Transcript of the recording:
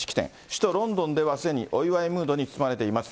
首都ロンドンでは、すでにお祝いムードに包まれています。